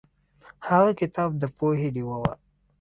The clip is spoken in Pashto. هغه کتاب د پوهې ډیوه وه.